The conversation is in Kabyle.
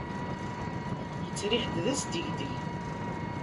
Yettriḥ-d d asdegdeg.